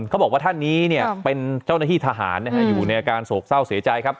เขาบอกว่าท่านนี้เนี่ยเป็นเจ้าหน้าที่ทหารอยู่ในอาการโศกเศร้าเสียใจครับ